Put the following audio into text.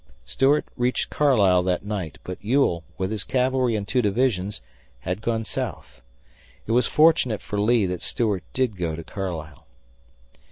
Stuart reached Carlisle that night, but Ewell, with his cavalry and two divisions, had gone south. It was fortunate for Lee that Stuart did go to Carlisle.